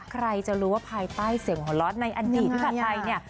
ใครจะรู้ว่าภายใต้เสียงหัวร้อนในอดีตพี่ผัดไทยเนี่ย